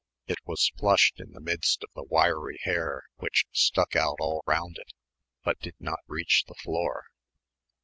It was flushed in the midst of the wiry hair which stuck out all round it but did not reach the floor.